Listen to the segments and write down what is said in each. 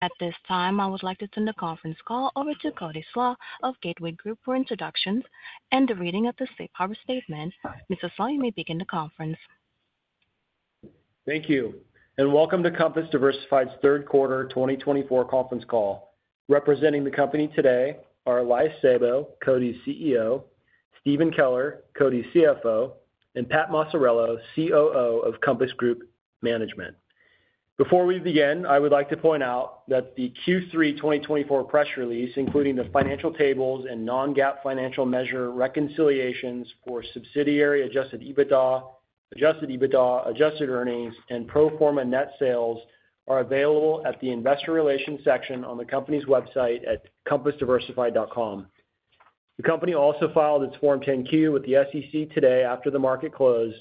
At this time, I would like to send a conference call over to Cody Slach of Gateway Group for introductions and the reading of the Safe Harbor Statement. Mr. Slaw, you may begin the conference. Thank you, and welcome to Compass Diversified's Q3 2024 conference call. Representing the company today are Elias Sabo, Cody's CEO, Stephen Keller, Cody's CFO, and Pat Maciariello, COO of Compass Group Management. Before we begin, I would like to point out that the Q3 2024 press release, including the financial tables and non-GAAP financial measure reconciliations for subsidiary adjusted EBITDA, adjusted EBITDA, adjusted earnings, and pro forma net sales, are available at the Investor Relations section on the company's website at compassdiversified.com. The company also filed its Form 10-Q with the SEC today after the market closed,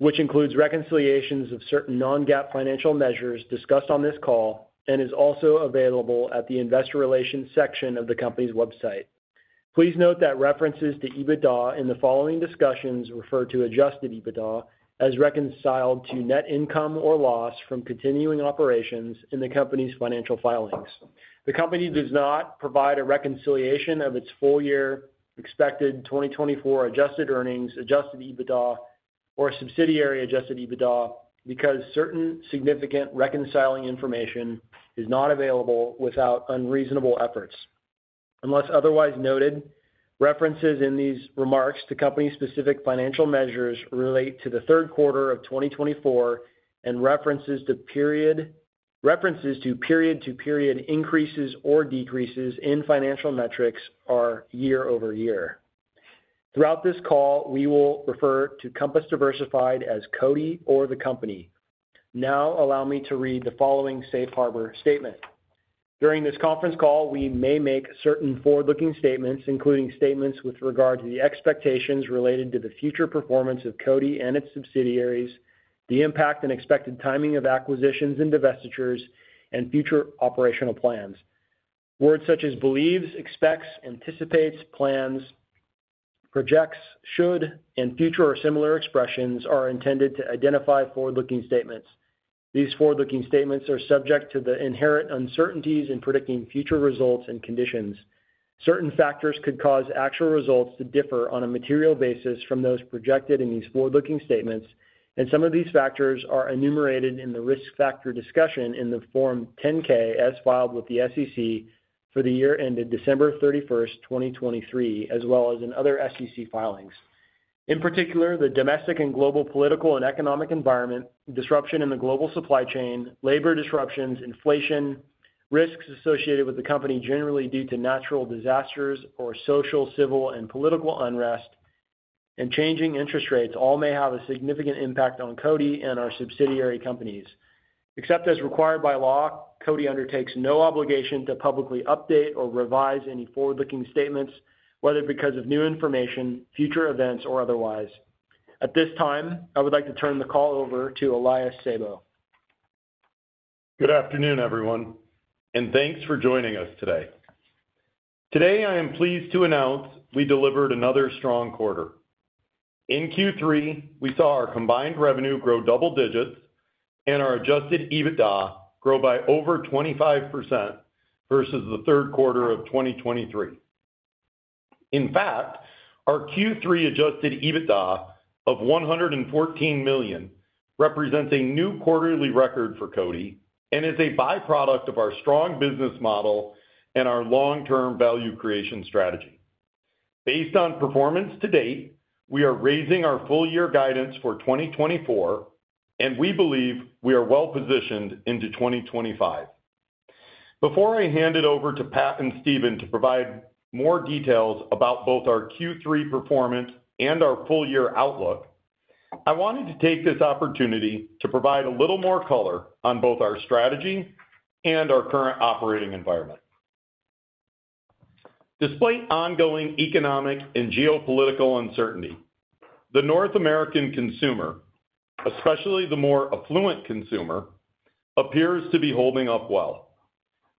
which includes reconciliations of certain non-GAAP financial measures discussed on this call and is also available at the Investor Relations section of the company's website. Please note that references to EBITDA in the following discussions refer to Adjusted EBITDA as reconciled to net income or loss from continuing operations in the company's financial filings. The company does not provide a reconciliation of its full-year expected 2024 Adjusted Earnings, Adjusted EBITDA, or Subsidiary Adjusted EBITDA because certain significant reconciling information is not available without unreasonable efforts. Unless otherwise noted, references in these remarks to company-specific financial measures relate to the Q3 of 2024, and references to period-to-period increases or decreases in financial metrics are year-over-year. Throughout this call, we will refer to Compass Diversified as Cody or the Company. Now, allow me to read the following Safe Harbor Statement. During this conference call, we may make certain forward-looking statements, including statements with regard to the expectations related to the future performance of Cody and its subsidiaries, the impact and expected timing of acquisitions and divestitures, and future operational plans. Words such as believes, expects, anticipates, plans, projects, should, and future, and similar expressions are intended to identify forward-looking statements. These forward-looking statements are subject to the inherent uncertainties in predicting future results and conditions. Certain factors could cause actual results to differ on a material basis from those projected in these forward-looking statements, and some of these factors are enumerated in the risk factor discussion in the Form 10-K as filed with the SEC for the year ended December 31st, 2023, as well as in other SEC filings. In particular, the domestic and global political and economic environment, disruption in the global supply chain, labor disruptions, inflation, risks associated with the company generally due to natural disasters or social, civil, and political unrest, and changing interest rates all may have a significant impact on Cody and our subsidiary companies. Except as required by law, Cody undertakes no obligation to publicly update or revise any forward-looking statements, whether because of new information, future events, or otherwise. At this time, I would like to turn the call over to Elias Sabo. Good afternoon, everyone, and thanks for joining us today. Today, I am pleased to announce we delivered another strong quarter. In Q3, we saw our combined revenue grow double digits and our adjusted EBITDA grow by over 25% versus the Q3 of 2023. In fact, our Q3 adjusted EBITDA of $114 million represents a new quarterly record for Cody and is a byproduct of our strong business model and our long-term value creation strategy. Based on performance to date, we are raising our full-year guidance for 2024, and we believe we are well positioned into 2025. Before I hand it over to Pat and Stephen to provide more details about both our Q3 performance and our full-year outlook, I wanted to take this opportunity to provide a little more color on both our strategy and our current operating environment. Despite ongoing economic and geopolitical uncertainty, the North American consumer, especially the more affluent consumer, appears to be holding up well.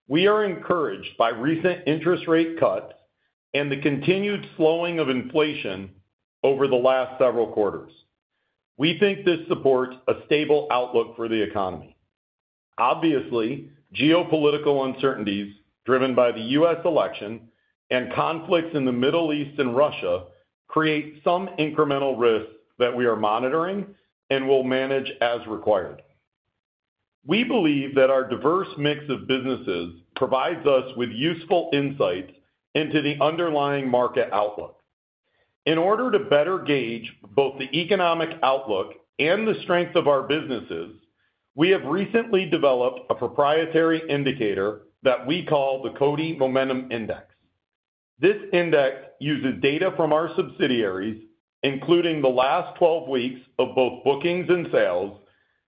We are encouraged by recent interest rate cuts and the continued slowing of inflation over the last several quarters. We think this supports a stable outlook for the economy. Obviously, geopolitical uncertainties driven by the U.S. election and conflicts in the Middle East and Russia create some incremental risks that we are monitoring and will manage as required. We believe that our diverse mix of businesses provides us with useful insights into the underlying market outlook. In order to better gauge both the economic outlook and the strength of our businesses, we have recently developed a proprietary indicator that we call the Cody Momentum Index. This index uses data from our subsidiaries, including the last 12 weeks of both bookings and sales,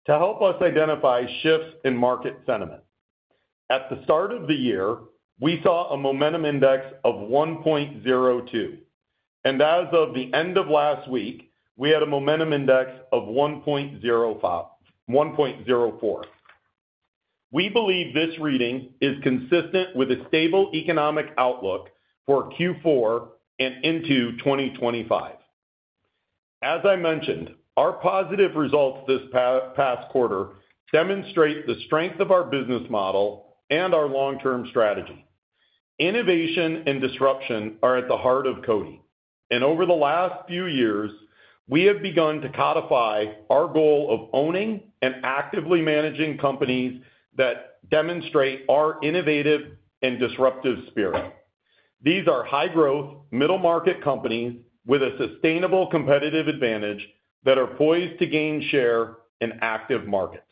to help us identify shifts in market sentiment. At the start of the year, we saw a momentum index of 1.02, and as of the end of last week, we had a momentum index of 1.04. We believe this reading is consistent with a stable economic outlook for Q4 and into 2025. As I mentioned, our positive results this past quarter demonstrate the strength of our business model and our long-term strategy. Innovation and disruption are at the heart of Cody, and over the last few years, we have begun to codify our goal of owning and actively managing companies that demonstrate our innovative and disruptive spirit. These are high-growth, middle-market companies with a sustainable competitive advantage that are poised to gain share in attractive markets.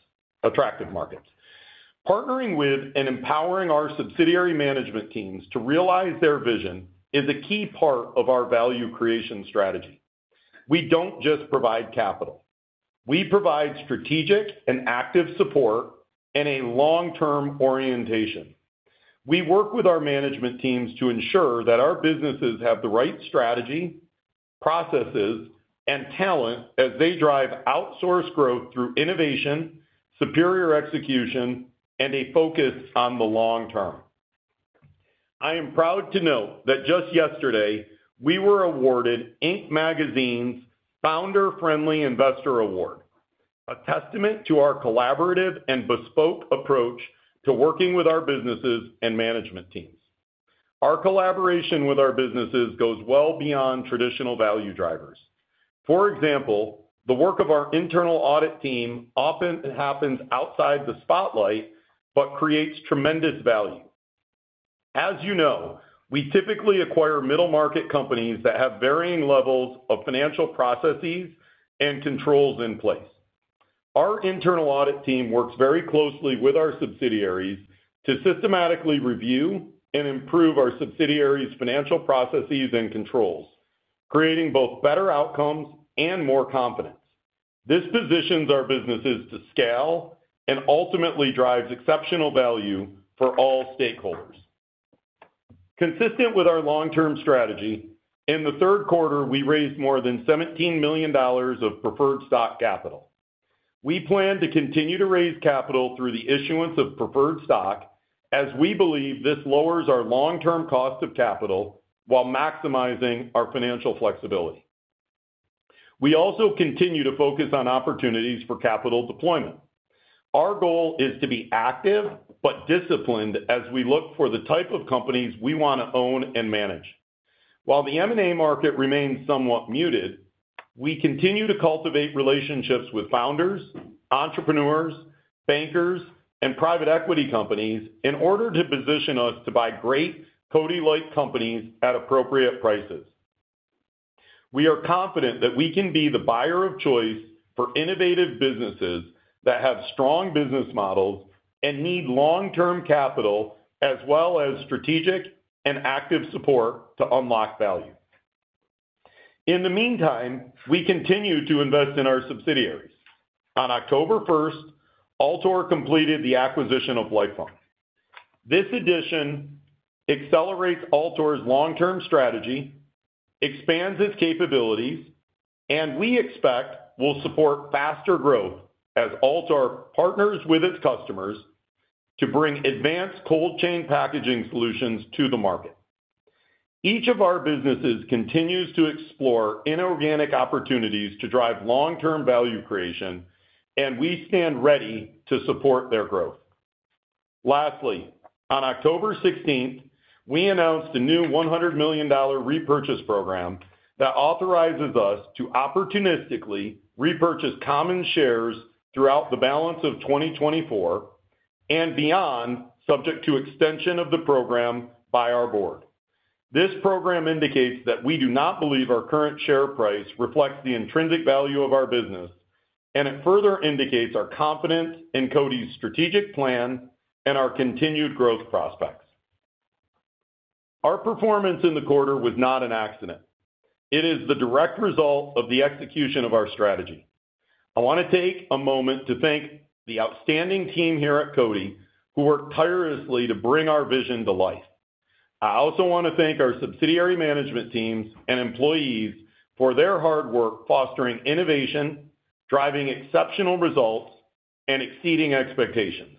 Partnering with and empowering our subsidiary management teams to realize their vision is a key part of our value creation strategy. We don't just provide capital. We provide strategic and active support and a long-term orientation. We work with our management teams to ensure that our businesses have the right strategy, processes, and talent as they drive outsource growth through innovation, superior execution, and a focus on the long term. I am proud to note that just yesterday, we were awarded Inc. Magazine's Founder-Friendly Investor Award, a testament to our collaborative and bespoke approach to working with our businesses and management teams. Our collaboration with our businesses goes well beyond traditional value drivers. For example, the work of our internal audit team often happens outside the spotlight but creates tremendous value. As you know, we typically acquire middle-market companies that have varying levels of financial processes and controls in place. Our internal audit team works very closely with our subsidiaries to systematically review and improve our subsidiaries' financial processes and controls, creating both better outcomes and more confidence. This positions our businesses to scale and ultimately drives exceptional value for all stakeholders. Consistent with our long-term strategy, in the Q3, we raised more than $17 million of preferred stock capital. We plan to continue to raise capital through the issuance of preferred stock, as we believe this lowers our long-term cost of capital while maximizing our financial flexibility. We also continue to focus on opportunities for capital deployment. Our goal is to be active but disciplined as we look for the type of companies we want to own and manage. While the M&A market remains somewhat muted, we continue to cultivate relationships with founders, entrepreneurs, bankers, and private equity companies in order to position us to buy great Cody-like companies at appropriate prices. We are confident that we can be the buyer of choice for innovative businesses that have strong business models and need long-term capital as well as strategic and active support to unlock value. In the meantime, we continue to invest in our subsidiaries. On October 1st, Altor completed the acquisition of Lifoam. This addition accelerates Altor's long-term strategy, expands its capabilities, and we expect will support faster growth as Altor partners with its customers to bring advanced cold-chain packaging solutions to the market. Each of our businesses continues to explore inorganic opportunities to drive long-term value creation, and we stand ready to support their growth. Lastly, on October 16th, we announced a new $100 million repurchase program that authorizes us to opportunistically repurchase common shares throughout the balance of 2024 and beyond, subject to extension of the program by our board. This program indicates that we do not believe our current share price reflects the intrinsic value of our business, and it further indicates our confidence in Cody's strategic plan and our continued growth prospects. Our performance in the quarter was not an accident. It is the direct result of the execution of our strategy. I want to take a moment to thank the outstanding team here at Cody who worked tirelessly to bring our vision to life. I also want to thank our subsidiary management teams and employees for their hard work fostering innovation, driving exceptional results, and exceeding expectations.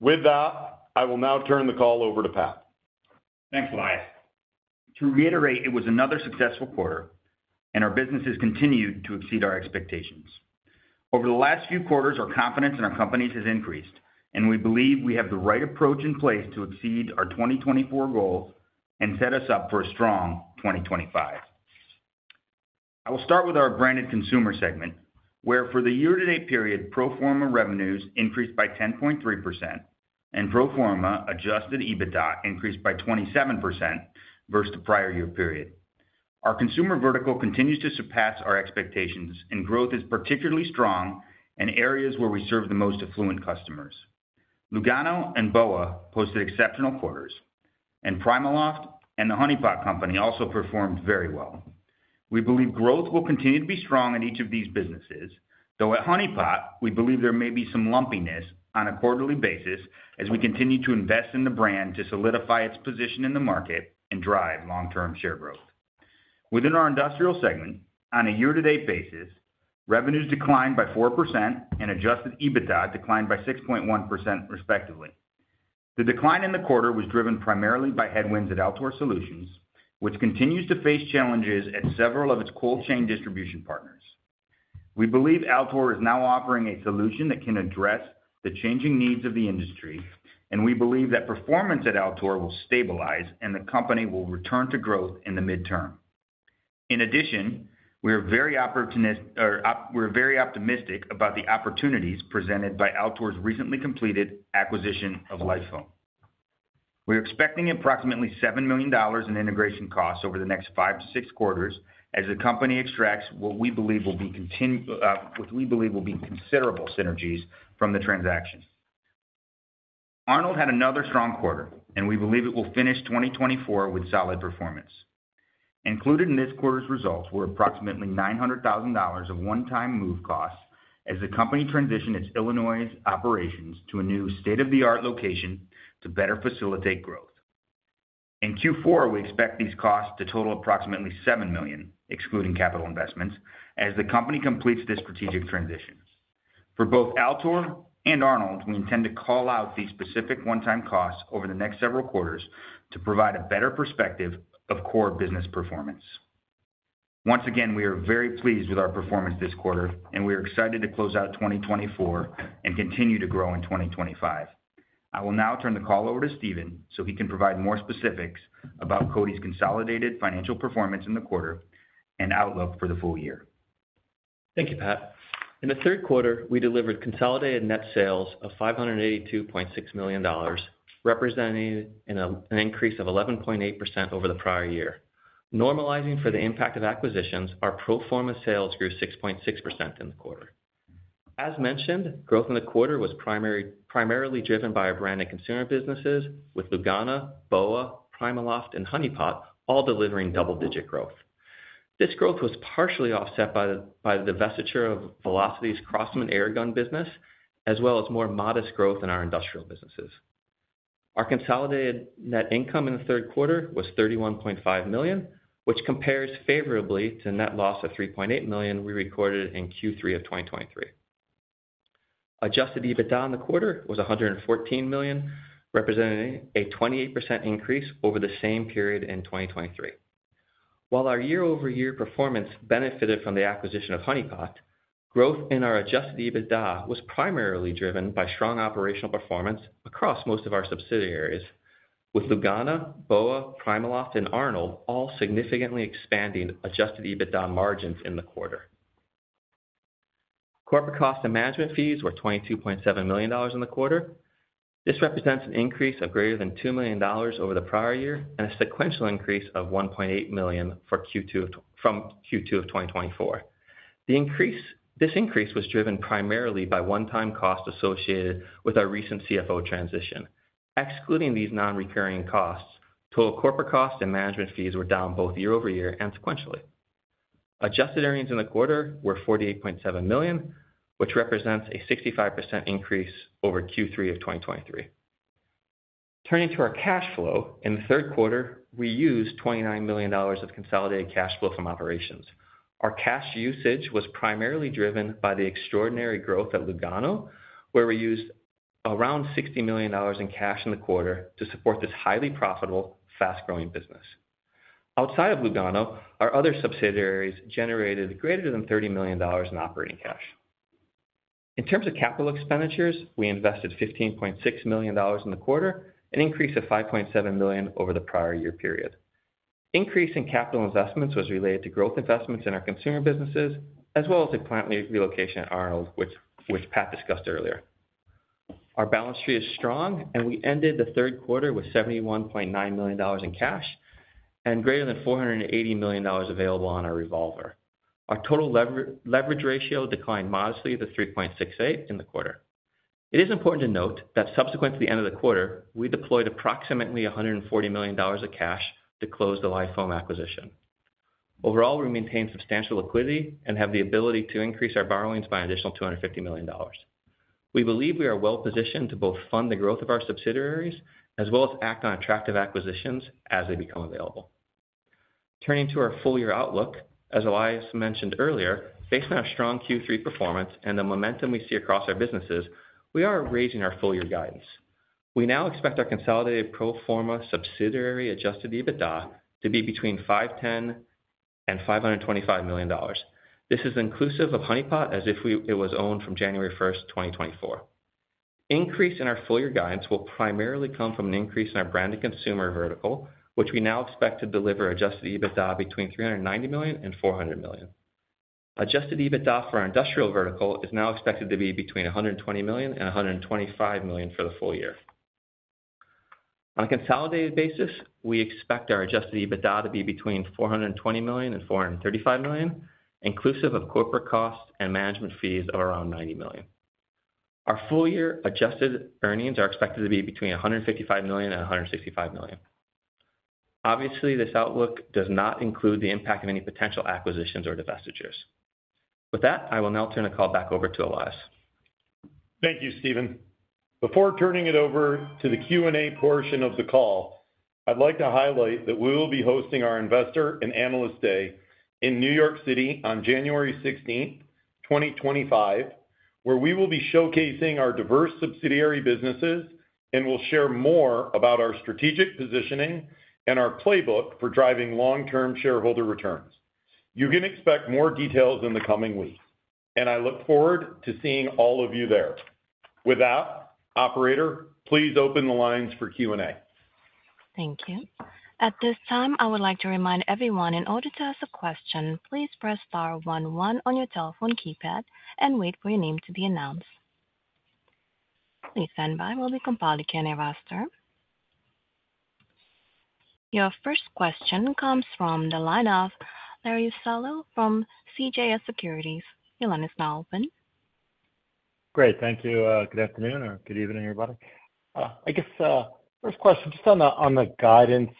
With that, I will now turn the call over to Pat. Thanks, Elias. To reiterate, it was another successful quarter, and our businesses continued to exceed our expectations. Over the last few quarters, our confidence in our companies has increased, and we believe we have the right approach in place to exceed our 2024 goals and set us up for a strong 2025. I will start with our branded consumer segment, where for the year-to-date period, pro forma revenues increased by 10.3% and pro forma adjusted EBITDA increased by 27% versus the prior year period. Our consumer vertical continues to surpass our expectations, and growth is particularly strong in areas where we serve the most affluent customers. Lugano and BOA posted exceptional quarters, and PrimaLoft and The Honeypot Company also performed very well. We believe growth will continue to be strong in each of these businesses, though at Honeypot, we believe there may be some lumpiness on a quarterly basis as we continue to invest in the brand to solidify its position in the market and drive long-term share growth. Within our industrial segment, on a year-to-date basis, revenues declined by 4% and Adjusted EBITDA declined by 6.1%, respectively. The decline in the quarter was driven primarily by headwinds at Altor Solutions, which continues to face challenges at several of its cold-chain distribution partners. We believe Altor is now offering a solution that can address the changing needs of the industry, and we believe that performance at Altor will stabilize and the company will return to growth in the midterm. In addition, we are very optimistic about the opportunities presented by Altor's recently completed acquisition of Lifoam. We are expecting approximately $7 million in integration costs over the next five to Q6 as the company extracts what we believe will be considerable synergies from the transaction. Arnold had another strong quarter, and we believe it will finish 2024 with solid performance. Included in this quarter's results were approximately $900,000 of one-time move costs as the company transitioned its Illinois operations to a new state-of-the-art location to better facilitate growth. In Q4, we expect these costs to total approximately $7 million, excluding capital investments, as the company completes this strategic transition. For both Altor and Arnold, we intend to call out these specific one-time costs over the next several quarters to provide a better perspective of core business performance. Once again, we are very pleased with our performance this quarter, and we are excited to close out 2024 and continue to grow in 2025. I will now turn the call over to Stephen so he can provide more specifics about Cody's consolidated financial performance in the quarter and outlook for the full year. Thank you, Pat. In the Q3, we delivered consolidated net sales of $582.6 million, representing an increase of 11.8% over the prior year. Normalizing for the impact of acquisitions, our pro forma sales grew 6.6% in the quarter. As mentioned, growth in the quarter was primarily driven by our branded consumer businesses, with Lugano, BOA, PrimaLoft, and Honeypot all delivering double-digit growth. This growth was partially offset by the divestiture of Velocity's Crosman airgun business, as well as more modest growth in our industrial businesses. Our consolidated net income in the Q3 was $31.5 million, which compares favorably to net loss of $3.8 million we recorded in Q3 of 2023. Adjusted EBITDA in the quarter was $114 million, representing a 28% increase over the same period in 2023. While our year-over-year performance benefited from the acquisition of Honeypot, growth in our Adjusted EBITDA was primarily driven by strong operational performance across most of our subsidiaries, with Lugano, BOA, PrimaLoft, and Arnold all significantly expanding Adjusted EBITDA margins in the quarter. Corporate costs and management fees were $22.7 million in the quarter. This represents an increase of greater than $2 million over the prior year and a sequential increase of $1.8 million from Q2 of 2024. This increase was driven primarily by one-time costs associated with our recent CFO transition. Excluding these non-recurring costs, total corporate costs and management fees were down both year-over-year and sequentially. Adjusted earnings in the quarter were $48.7 million, which represents a 65% increase over Q3 of 2023. Turning to our cash flow, in the Q3, we used $29 million of consolidated cash flow from operations. Our cash usage was primarily driven by the extraordinary growth at Lugano, where we used around $60 million in cash in the quarter to support this highly profitable, fast-growing business. Outside of Lugano, our other subsidiaries generated greater than $30 million in operating cash. In terms of capital expenditures, we invested $15.6 million in the quarter, an increase of $5.7 million over the prior year period. Increase in capital investments was related to growth investments in our consumer businesses, as well as a plant relocation at Arnold, which Pat discussed earlier. Our balance sheet is strong, and we ended the Q3 with $71.9 million in cash and greater than $480 million available on our revolver. Our total leverage ratio declined modestly to 3.68 in the quarter. It is important to note that subsequent to the end of the quarter, we deployed approximately $140 million of cash to close the Lifoam acquisition. Overall, we maintain substantial liquidity and have the ability to increase our borrowings by an additional $250 million. We believe we are well-positioned to both fund the growth of our subsidiaries as well as act on attractive acquisitions as they become available. Turning to our full-year outlook, as Elias mentioned earlier, based on our strong Q3 performance and the momentum we see across our businesses, we are raising our full-year guidance. We now expect our consolidated pro forma subsidiary adjusted EBITDA to be between $510 and $525 million. This is inclusive of Honeypot as if it was owned from January 1st, 2024. Increase in our full-year guidance will primarily come from an increase in our branded consumer vertical, which we now expect to deliver Adjusted EBITDA between $390 million and $400 million. Adjusted EBITDA for our industrial vertical is now expected to be between $120 million and $125 million for the full year. On a consolidated basis, we expect our Adjusted EBITDA to be between $420 million and $435 million, inclusive of corporate costs and management fees of around $90 million. Our full-year Adjusted Earnings are expected to be between $155 million and $165 million. Obviously, this outlook does not include the impact of any potential acquisitions or divestitures. With that, I will now turn the call back over to Elias. Thank you, Stephen. Before turning it over to the Q&A portion of the call, I'd like to highlight that we will be hosting our Investor and Analyst Day in New York City on January 16th, 2025, where we will be showcasing our diverse subsidiary businesses and will share more about our strategic positioning and our playbook for driving long-term shareholder returns. You can expect more details in the coming weeks, and I look forward to seeing all of you there. With that, operator, please open the lines for Q&A. Thank you. At this time, I would like to remind everyone in order to ask a question, please press star 11 on your telephone keypad and wait for your name to be announced. Listen by Willie Compalde, Kenny Rafter. Your first question comes from the line of Larry Solow from CJS Securities. Your line is now open. Great. Thank you. Good afternoon or good evening, everybody. I guess first question, just on the guidance,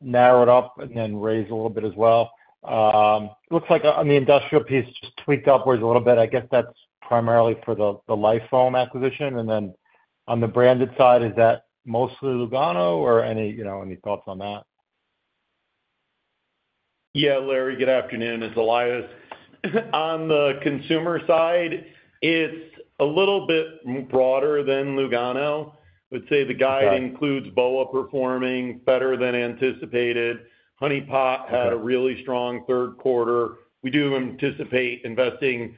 narrow it up and then raise a little bit as well. It looks like on the industrial piece, just tweaked upwards a little bit. I guess that's primarily for the Lifoam acquisition. And then on the branded side, is that mostly Lugano or any thoughts on that? Yeah, Larry, good afternoon. It's Elias. On the consumer side, it's a little bit broader than Lugano. I would say the guide includes BOA performing better than anticipated. Honeypot had a really strong Q3. We do anticipate investing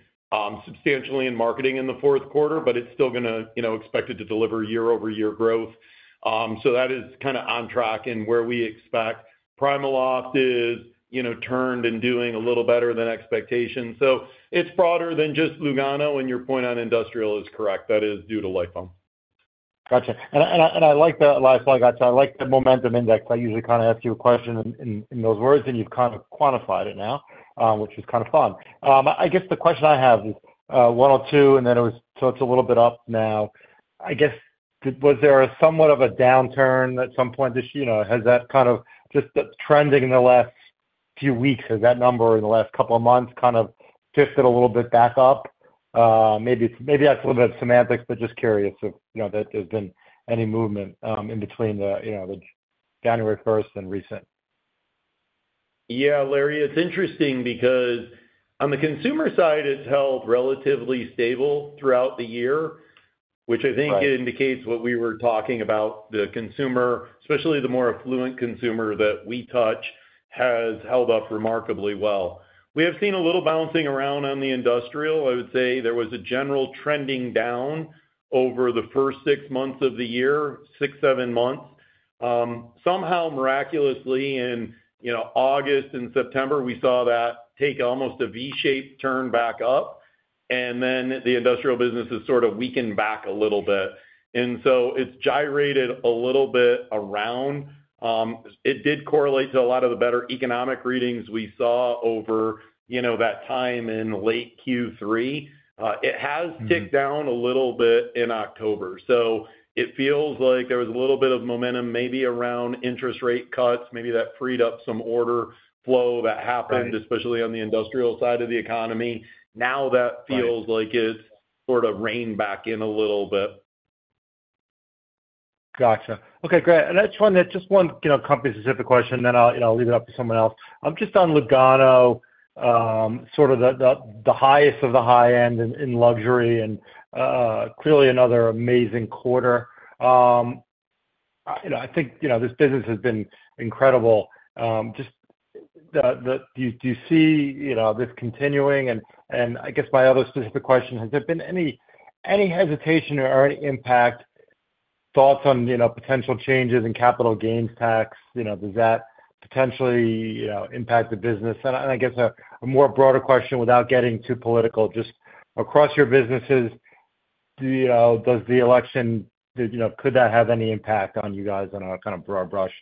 substantially in marketing in the Q4, but it's still going to expect it to deliver year-over-year growth. So that is kind of on track and where we expect. PrimaLoft is turned and doing a little better than expectations. So it's broader than just Lugano, and your point on industrial is correct. That is due to Lifoam. Gotcha. And I like that Lifoam. I like the momentum index. I usually kind of ask you a question in those words, and you've kind of quantified it now, which is kind of fun. I guess the question I have is one or two, and then it was tilted a little bit up now. I guess, was there somewhat of a downturn at some point? Has that kind of just trending in the last few weeks? Has that number in the last couple of months kind of shifted a little bit back up? Maybe that's a little bit of semantics, but just curious if there's been any movement in between January 1st and recent. Yeah, Larry, it's interesting because on the consumer side, it's held relatively stable throughout the year, which I think indicates what we were talking about. The consumer, especially the more affluent consumer that we touch, has held up remarkably well. We have seen a little bouncing around on the industrial. I would say there was a general trending down over the first six months of the year, six, seven months. Somehow miraculously, in August and September, we saw that take almost a V-shaped turn back up, and then the industrial business has sort of weakened back a little bit. And so it's gyrated a little bit around. It did correlate to a lot of the better economic readings we saw over that time in late Q3. It has ticked down a little bit in October. So it feels like there was a little bit of momentum maybe around interest rate cuts. Maybe that freed up some order flow that happened, especially on the industrial side of the economy. Now that feels like it's sort of reined back in a little bit. Gotcha. Okay, great. That's fun. Just one company-specific question, then I'll leave it up to someone else. Just on Lugano, sort of the highest of the high end in luxury and clearly another amazing quarter. I think this business has been incredible. Just do you see this continuing? And I guess my other specific question, has there been any hesitation or any impact? Thoughts on potential changes in capital gains tax? Does that potentially impact the business? And I guess a more broader question without getting too political, just across your businesses, does the election, could that have any impact on you guys on a kind of broad brush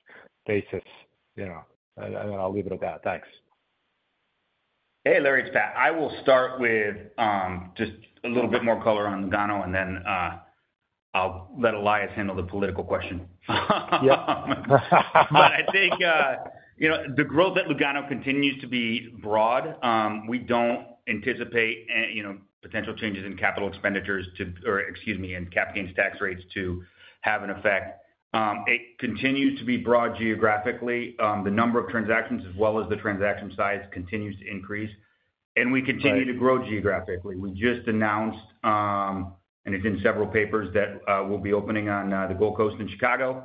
basis? And then I'll leave it at that. Thanks. Hey, Larry, it's Pat. I will start with just a little bit more color on Lugano, and then I'll let Elias handle the political question. Yeah. But I think the growth at Lugano continues to be broad. We don't anticipate potential changes in capital gains tax rates to have an effect. It continues to be broad geographically. The number of transactions, as well as the transaction size, continues to increase. And we continue to grow geographically. We just announced, and it's in several papers, that we'll be opening on the Gold Coast in Chicago.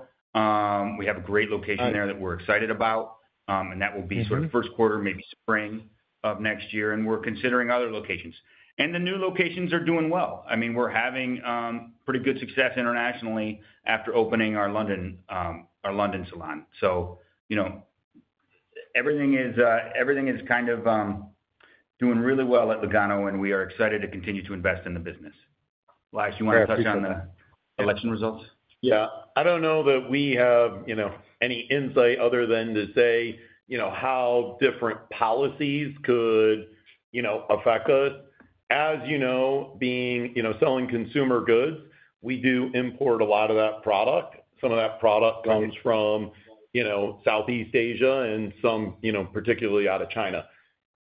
We have a great location there that we're excited about, and that will be sort of Q1, maybe spring of next year. And we're considering other locations. And the new locations are doing well. I mean, we're having pretty good success internationally after opening our London salon. So everything is kind of doing really well at Lugano, and we are excited to continue to invest in the business. Elias, you want to touch on the election results? Yeah. I don't know that we have any insight other than to say how different policies could affect us. As you know, being selling consumer goods, we do import a lot of that product. Some of that product comes from Southeast Asia and some particularly out of China.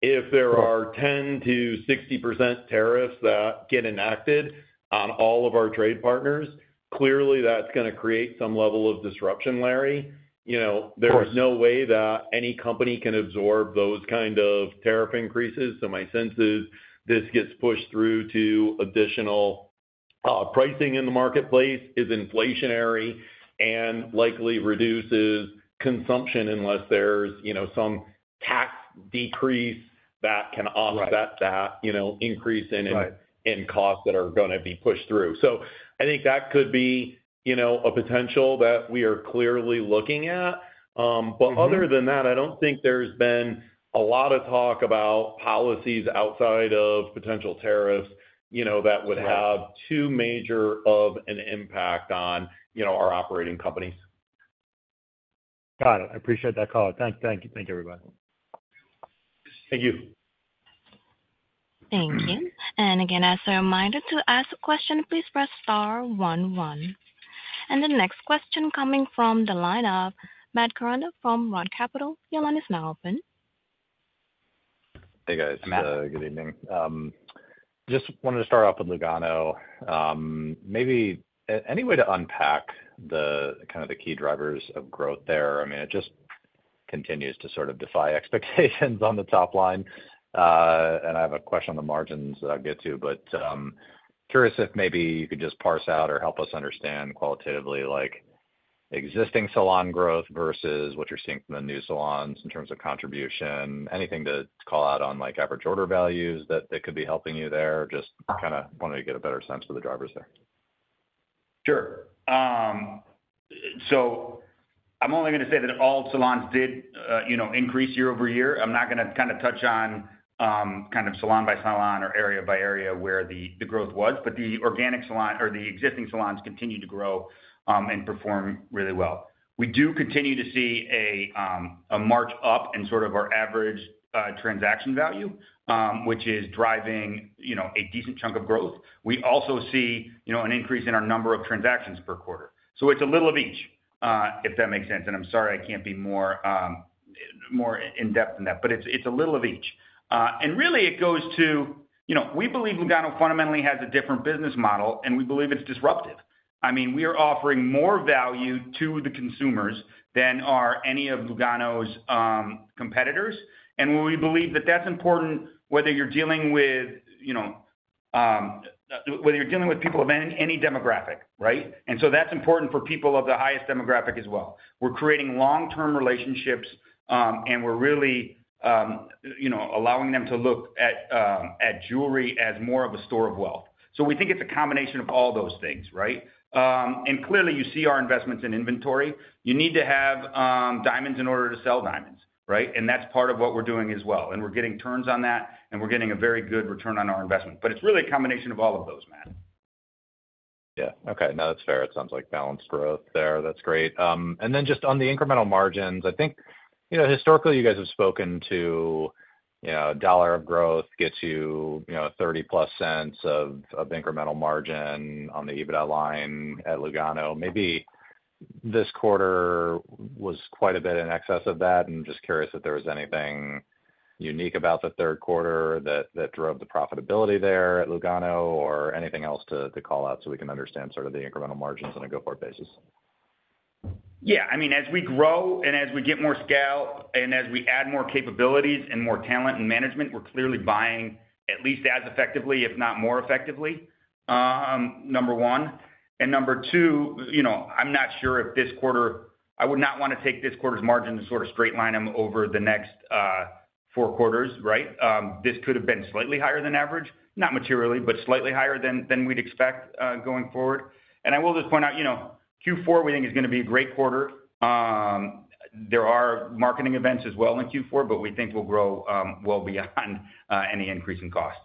If there are 10%-60% tariffs that get enacted on all of our trade partners, clearly that's going to create some level of disruption, Larry. There is no way that any company can absorb those kind of tariff increases. So my sense is this gets pushed through to additional pricing in the marketplace, is inflationary, and likely reduces consumption unless there's some tax decrease that can offset that increase in costs that are going to be pushed through. So I think that could be a potential that we are clearly looking at. But other than that, I don't think there's been a lot of talk about policies outside of potential tariffs that would have too major of an impact on our operating companies. Got it. I appreciate that call. Thank you, everybody. Thank you. Thank you. And again, as a reminder to ask a question, please press star 11. And the next question coming from the line of Matt Koranda from Roth MKM. Your line is now open. Hey, guys. Good evening. Just wanted to start off with Lugano. Maybe any way to unpack the kind of key drivers of growth there? I mean, it just continues to sort of defy expectations on the top line. And I have a question on the margins that I'll get to, but curious if maybe you could just parse out or help us understand qualitatively existing salon growth versus what you're seeing from the new salons in terms of contribution. Anything to call out on average order values that could be helping you there? Just kind of wanted to get a better sense of the drivers there. Sure. So I'm only going to say that all salons did increase year over year. I'm not going to kind of touch on kind of salon by salon or area by area where the growth was, but the organic salon or the existing salons continue to grow and perform really well. We do continue to see a march up in sort of our average transaction value, which is driving a decent chunk of growth. We also see an increase in our number of transactions per quarter, so it's a little of each, if that makes sense, and I'm sorry I can't be more in-depth than that, but it's a little of each, and really, it goes to we believe Lugano fundamentally has a different business model, and we believe it's disruptive. I mean, we are offering more value to the consumers than are any of Lugano's competitors. We believe that that's important whether you're dealing with people of any demographic, right? That's important for people of the highest demographic as well. We're creating long-term relationships, and we're really allowing them to look at jewelry as more of a store of wealth. We think it's a combination of all those things, right? Clearly, you see our investments in inventory. You need to have diamonds in order to sell diamonds, right? That's part of what we're doing as well. We're getting turns on that, and we're getting a very good return on our investment. It's really a combination of all of those, Matt. Yeah. Okay. No, that's fair. It sounds like balanced growth there. That's great. And then just on the incremental margins, I think historically you guys have spoken to $1 of growth gets you $0.30-plus of incremental margin on the EBITDA line at Lugano. Maybe this quarter was quite a bit in excess of that. I'm just curious if there was anything unique about the Q3 that drove the profitability there at Lugano or anything else to call out so we can understand sort of the incremental margins on a go-forward basis? Yeah. I mean, as we grow and as we get more scale and as we add more capabilities and more talent and management, we're clearly buying at least as effectively, if not more effectively, number one, and number two, I'm not sure if this quarter I would not want to take this quarter's margin to sort of straight line them over the next Q4, right? This could have been slightly higher than average, not materially, but slightly higher than we'd expect going forward, and I will just point out Q4, we think is going to be a great quarter. There are marketing events as well in Q4, but we think we'll grow well beyond any increase in costs.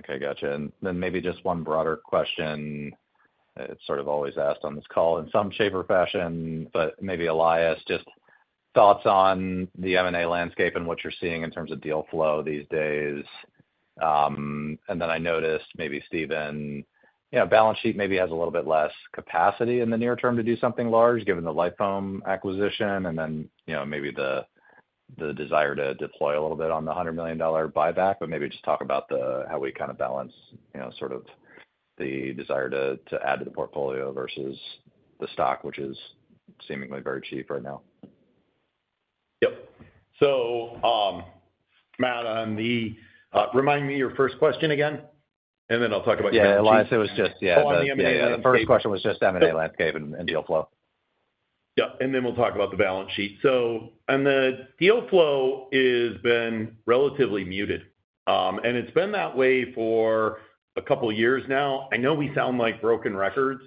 Okay. Gotcha. And then maybe just one broader question. It's sort of always asked on this call in some shape or fashion, but maybe Elias, just thoughts on the M&A landscape and what you're seeing in terms of deal flow these days. And then I noticed maybe Stephen, balance sheet maybe has a little bit less capacity in the near term to do something large given the Lifoam acquisition and then maybe the desire to deploy a little bit on the $100 million buyback, but maybe just talk about how we kind of balance sort of the desire to add to the portfolio versus the stock, which is seemingly very cheap right now. Yep. So Matt, remind me your first question again, and then I'll talk about your second question. Yeah. Elias, it was just, yeah. The first question was just M&A landscape and deal flow. Yeah. And then we'll talk about the balance sheet. So on the deal flow, it's been relatively muted, and it's been that way for a couple of years now. I know we sound like broken records.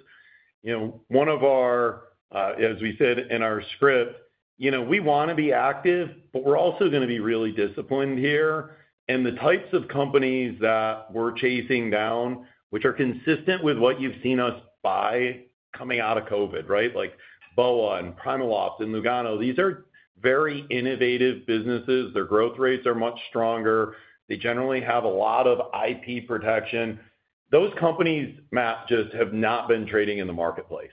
One of our, as we said in our script, we want to be active, but we're also going to be really disciplined here. And the types of companies that we're chasing down, which are consistent with what you've seen us buy coming out of COVID, right? Like BOA and PrimaLoft and Lugano, these are very innovative businesses. Their growth rates are much stronger. They generally have a lot of IP protection. Those companies, Matt, just have not been trading in the marketplace.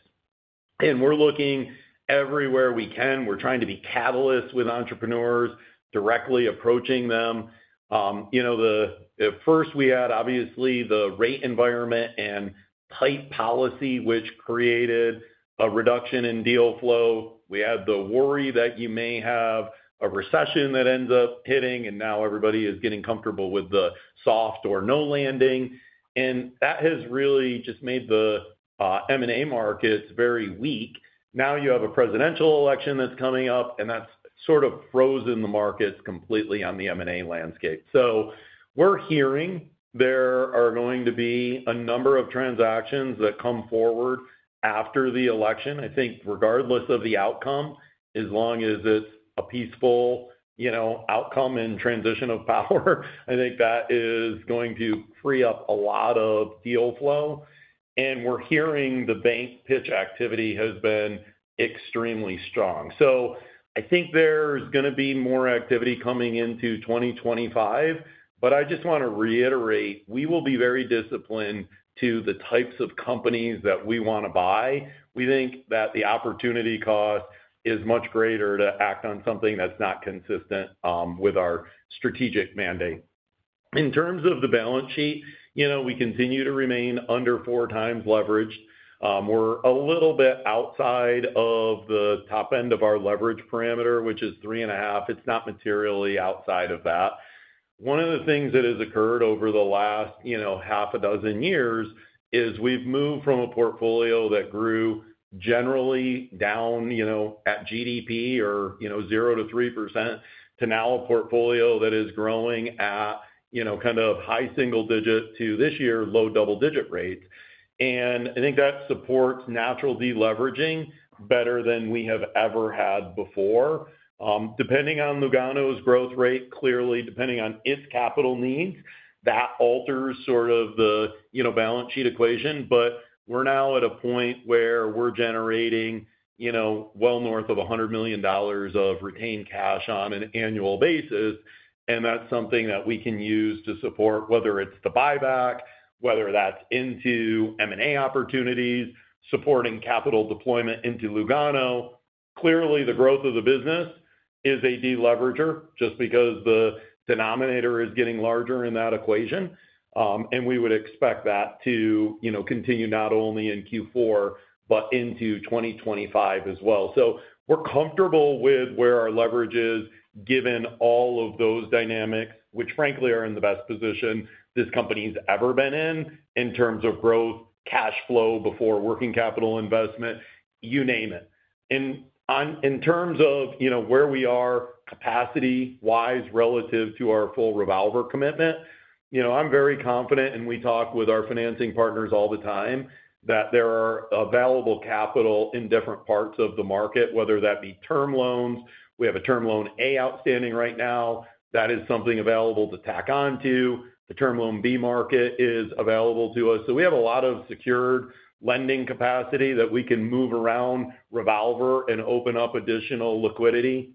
And we're looking everywhere we can. We're trying to be catalysts with entrepreneurs, directly approaching them. At first, we had obviously the rate environment and tight policy, which created a reduction in deal flow. We had the worry that you may have a recession that ends up hitting, and now everybody is getting comfortable with the soft or no landing. And that has really just made the M&A markets very weak. Now you have a presidential election that's coming up, and that's sort of frozen the markets completely on the M&A landscape. So we're hearing there are going to be a number of transactions that come forward after the election. I think regardless of the outcome, as long as it's a peaceful outcome and transition of power, I think that is going to free up a lot of deal flow. And we're hearing the bank pitch activity has been extremely strong. So I think there's going to be more activity coming into 2025, but I just want to reiterate, we will be very disciplined to the types of companies that we want to buy. We think that the opportunity cost is much greater to act on something that's not consistent with our strategic mandate. In terms of the balance sheet, we continue to remain under four times leveraged. We're a little bit outside of the top end of our leverage parameter, which is three and a half. It's not materially outside of that. One of the things that has occurred over the last half a dozen years is we've moved from a portfolio that grew generally down at GDP or 0 to 3% to now a portfolio that is growing at kind of high single digit to this year, low double digit rates. And I think that supports natural deleveraging better than we have ever had before. Depending on Lugano's growth rate, clearly, depending on its capital needs, that alters sort of the balance sheet equation. But we're now at a point where we're generating well north of $100 million of retained cash on an annual basis. And that's something that we can use to support whether it's the buyback, whether that's into M&A opportunities, supporting capital deployment into Lugano. Clearly, the growth of the business is a deleverager just because the denominator is getting larger in that equation. And we would expect that to continue not only in Q4, but into 2025 as well. So we're comfortable with where our leverage is given all of those dynamics, which frankly are in the best position this company's ever been in in terms of growth, cash flow before working capital investment, you name it. In terms of where we are capacity-wise relative to our full revolver commitment, I'm very confident, and we talk with our financing partners all the time that there are available capital in different parts of the market, whether that be term loans. We have a Term Loan A outstanding right now. That is something available to tack onto. The Term Loan B market is available to us. So we have a lot of secured lending capacity that we can move around revolver and open up additional liquidity.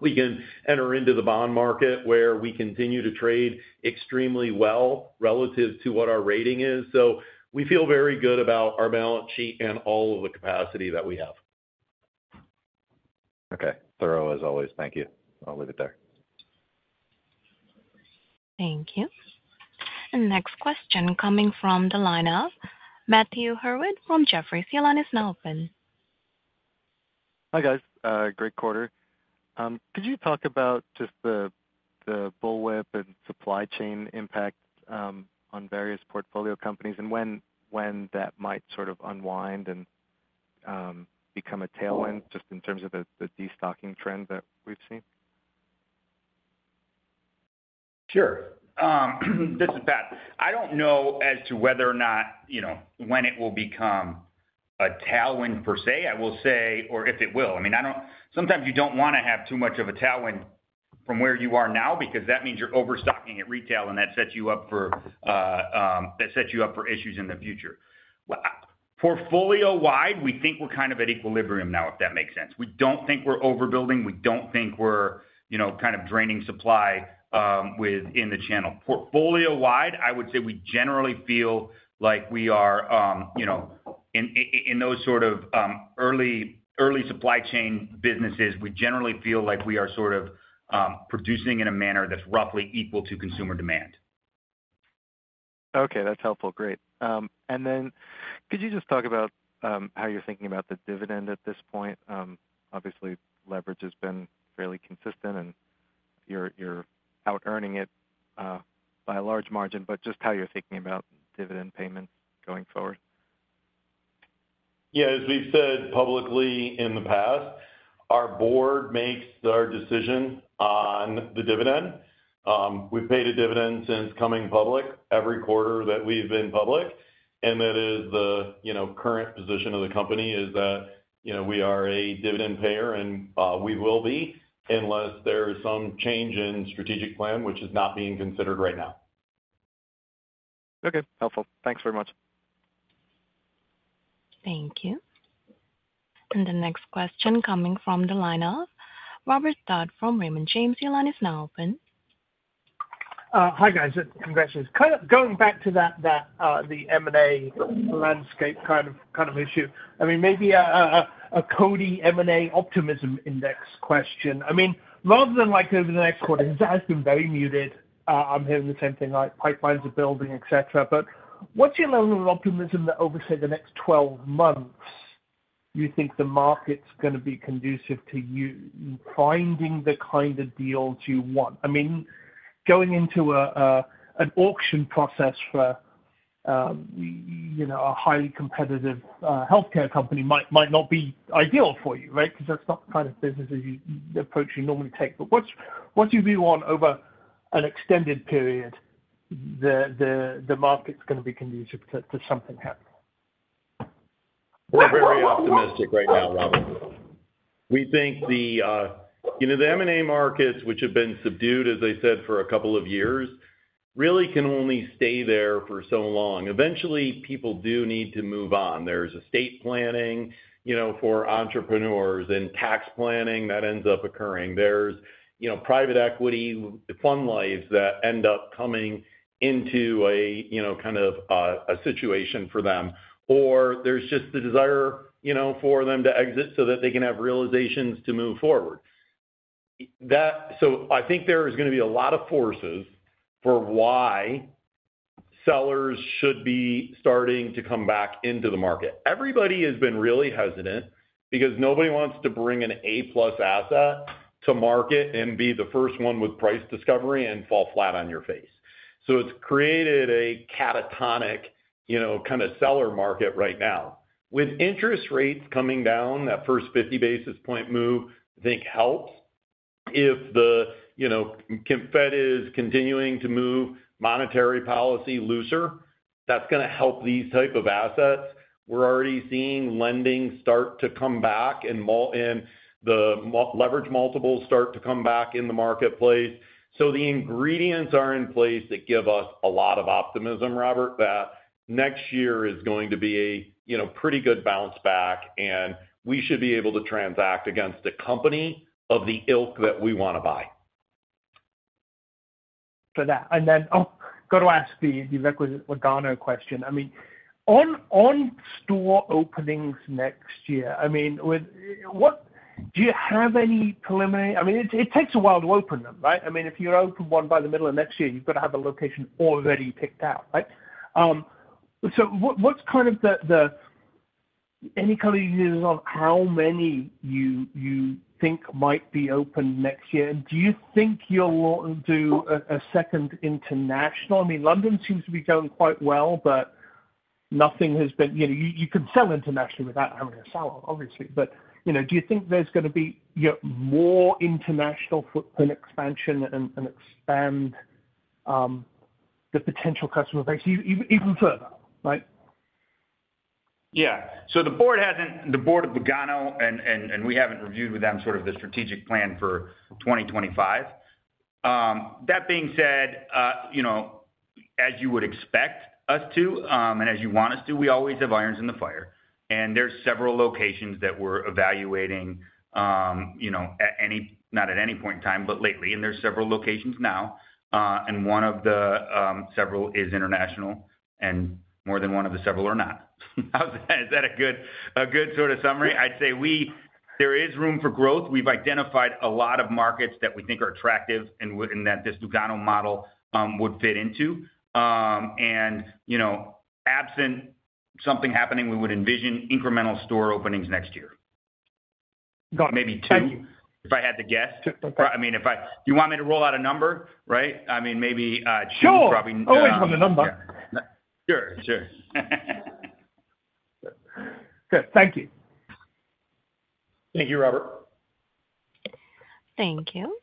We can enter into the bond market where we continue to trade extremely well relative to what our rating is. So we feel very good about our balance sheet and all of the capacity that we have. Okay. Thorough as always. Thank you. I'll leave it there. Thank you. And next question coming from the line of Matthew Hurwitz from Jefferies. The line is now open. Hi guys. Great quarter. Could you talk about just the bullwhip and supply chain impact on various portfolio companies and when that might sort of unwind and become a tailwind just in terms of the destocking trend that we've seen? Sure. This is Pat. I don't know as to whether or not when it will become a tailwind per se, I will say, or if it will. I mean, sometimes you don't want to have too much of a tailwind from where you are now because that means you're overstocking at retail, and that sets you up for issues in the future. Portfolio-wide, we think we're kind of at equilibrium now, if that makes sense. We don't think we're overbuilding. We don't think we're kind of draining supply within the channel. Portfolio-wide, I would say we generally feel like we are in those sort of early supply chain businesses. We generally feel like we are sort of producing in a manner that's roughly equal to consumer demand. Okay. That's helpful. Great. And then could you just talk about how you're thinking about the dividend at this point? Obviously, leverage has been fairly consistent, and you're out-earning it by a large margin, but just how you're thinking about dividend payments going forward. Yeah. As we've said publicly in the past, our board makes our decision on the dividend. We've paid a dividend since coming public every quarter that we've been public. And that is the current position of the company is that we are a dividend payer, and we will be unless there is some change in strategic plan, which is not being considered right now. Okay. Helpful. Thanks very much. Thank you. And the next question coming from the line of Robert Dodd from Raymond James. Your line is now open. Hi guys. Congratulations. Going back to the M&A landscape kind of issue, I mean, maybe a Cody M&A Optimism Index question. I mean, rather than over the next quarter, because that has been very muted, I'm hearing the same thing, like pipelines are building, etc., but what's your level of optimism that over, say, the next 12 months, you think the market's going to be conducive to you finding the kind of deals you want? I mean, going into an auction process for a highly competitive healthcare company might not be ideal for you, right? Because that's not the kind of business approach you normally take. But what's your view on over an extended period, the market's going to be conducive to something happening? We're very optimistic right now, Robert. We think the M&A markets, which have been subdued, as I said, for a couple of years, really can only stay there for so long. Eventually, people do need to move on. There's estate planning for entrepreneurs and tax planning that ends up occurring. There's private equity, the fund lives that end up coming into a kind of a situation for them. Or there's just the desire for them to exit so that they can have realizations to move forward. So I think there is going to be a lot of forces for why sellers should be starting to come back into the market. Everybody has been really hesitant because nobody wants to bring an A-plus asset to market and be the first one with price discovery and fall flat on your face. So it's created a catatonic kind of seller market right now. With interest rates coming down, that first 50 basis point move, I think helps. If the Fed is continuing to move monetary policy looser, that's going to help these types of assets. We're already seeing lending start to come back and the leverage multiples start to come back in the marketplace. So the ingredients are in place that give us a lot of optimism, Robert, that next year is going to be a pretty good bounce back, and we should be able to transact against a company of the ilk that we want to buy. For that. And then I'll go to ask the Lugano question. I mean, on store openings next year, I mean, do you have any preliminary? I mean, it takes a while to open them, right? I mean, if you open one by the middle of next year, you've got to have a location already picked out, right? So what's kind of the any clues on how many you think might be open next year? And do you think you'll do a second international? I mean, London seems to be going quite well, but you couldn't sell internationally without having a salon, obviously. But do you think there's going to be more international footprint expansion and expand the potential customer base even further, right? Yeah. So the board of Lugano hasn't, and we haven't reviewed with them sort of the strategic plan for 2025. That being said, as you would expect us to and as you want us to, we always have irons in the fire. And there's several locations that we're evaluating not at any point in time, but lately. And there's several locations now. And one of the several is international, and more than one of the several are not. Is that a good sort of summary? I'd say there is room for growth. We've identified a lot of markets that we think are attractive and that this Lugano model would fit into. And absent something happening, we would envision incremental store openings next year. Maybe two, if I had to guess. I mean, if you want me to roll out a number, right? I mean, maybe two, probably. Sure. Always run the number. Sure. Sure. Good. Thank you. Thank you, Robert. Thank you.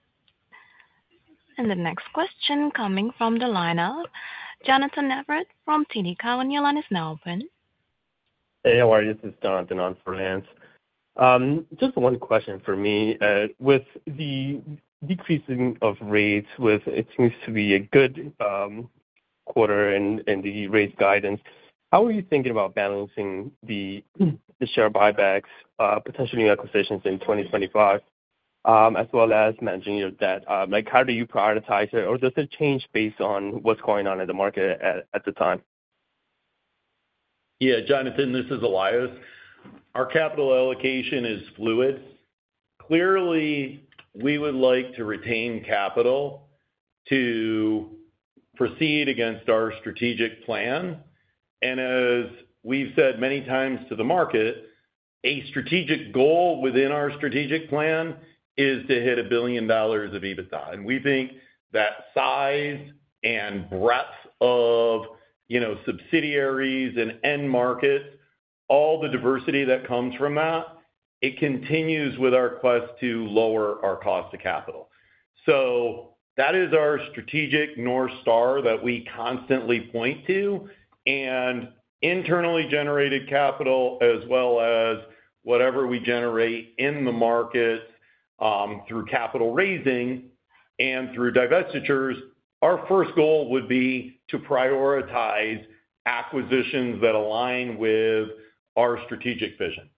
And the next question coming from the line of Jonathan Everett from TD Cowen, your line is now open. Hey, how are you? This is Jonathan on finance. Just one question for me. With the decreasing of rates, with it seems to be a good quarter in the rate guidance, how are you thinking about balancing the share buybacks, potentially acquisitions in 2025, as well as managing your debt? How do you prioritize it? Or does it change based on what's going on in the market at the time? Yeah, Jonathan, this is Elias. Our capital allocation is fluid. Clearly, we would like to retain capital to proceed against our strategic plan, and as we've said many times to the market, a strategic goal within our strategic plan is to hit $1 billion of EBITDA, and we think that size and breadth of subsidiaries and end markets, all the diversity that comes from that, it continues with our quest to lower our cost of capital, so that is our strategic North Star that we constantly point to, and internally generated capital, as well as whatever we generate in the markets through capital raising and through divestitures, our first goal would be to prioritize acquisitions that align with our strategic vision.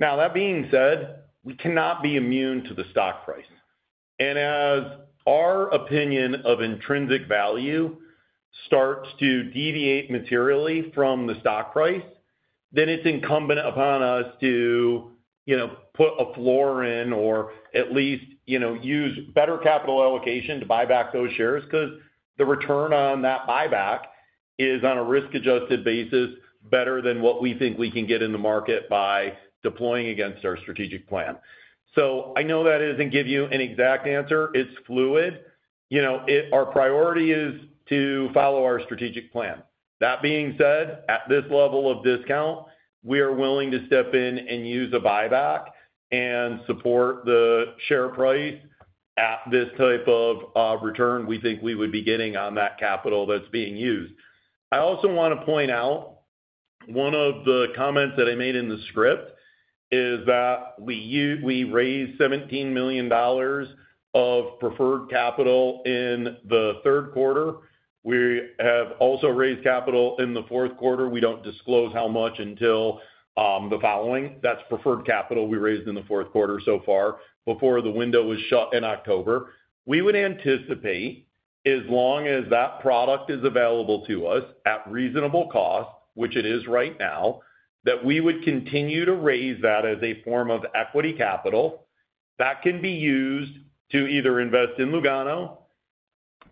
Now, that being said, we cannot be immune to the stock price. And as our opinion of intrinsic value starts to deviate materially from the stock price, then it's incumbent upon us to put a floor in or at least use better capital allocation to buy back those shares because the return on that buyback is on a risk-adjusted basis better than what we think we can get in the market by deploying against our strategic plan. So I know that it doesn't give you an exact answer. It's fluid. Our priority is to follow our strategic plan. That being said, at this level of discount, we are willing to step in and use a buyback and support the share price at this type of return we think we would be getting on that capital that's being used. I also want to point out one of the comments that I made in the script is that we raised $17 million of preferred capital in the Q3. We have also raised capital in the Q4. We don't disclose how much until the following. That's preferred capital we raised in the Q4 so far before the window was shut in October. We would anticipate, as long as that product is available to us at reasonable cost, which it is right now, that we would continue to raise that as a form of equity capital that can be used to either invest in Lugano.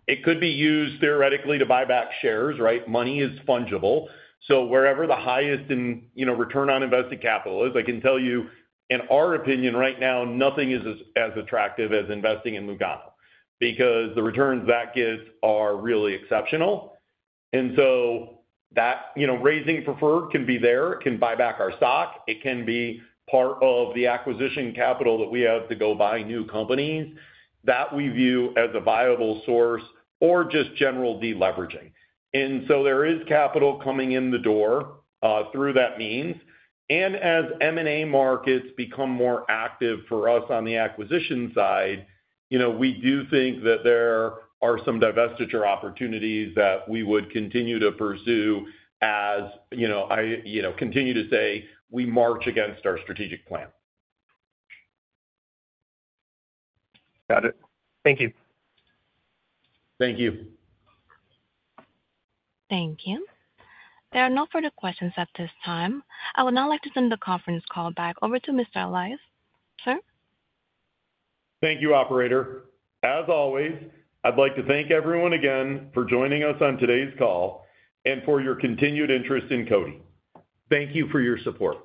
It could be used theoretically to buy back shares, right? Money is fungible. So, wherever the highest return on invested capital is, I can tell you, in our opinion right now, nothing is as attractive as investing in Lugano because the returns that it gets are really exceptional. And so that raising preferred can be there. It can buy back our stock. It can be part of the acquisition capital that we have to go buy new companies that we view as a viable source or just general deleveraging. And so there is capital coming in the door through that means. And as M&A markets become more active for us on the acquisition side, we do think that there are some divestiture opportunities that we would continue to pursue as I continue to say we march against our strategic plan. Got it. Thank you. Thank you. Thank you. There are no further questions at this time. I would now like to send the conference call back over to Mr. Elias, sir. Thank you, operator. As always, I'd like to thank everyone again for joining us on today's call and for your continued interest in Cody. Thank you for your support.